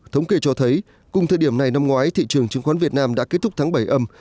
thống kể cho thấy cùng thời điểm này năm ngoái thị trường chứng khoán việt nam đã kết thúc tháng bảy âm